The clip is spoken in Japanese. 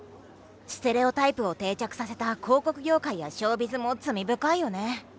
ステレオタイプを定着させた広告業界やショウビズも罪深いよね。